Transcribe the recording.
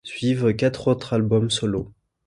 Suivent quatre autres albums solo.